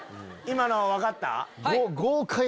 今の分かった？